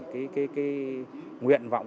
cái nguyện vọng